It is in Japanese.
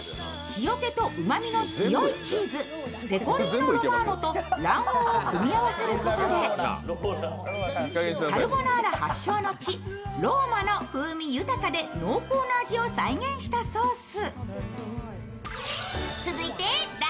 塩気とうまみの強いチーズペコリーノ・ロマーノと卵黄を組み合わせることで、カルボナーラ発祥の地、ローマの風味豊かで濃厚な味を再現したソース。